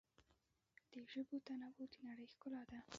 د ژبو تنوع د نړۍ ښکلا ده.